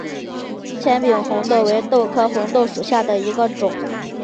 纤柄红豆为豆科红豆属下的一个种。